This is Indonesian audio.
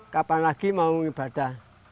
kapan lagi mau ibadah